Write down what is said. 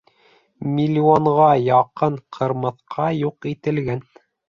Миллионға яҡын ҡырмыҫҡа юҡ ителгән.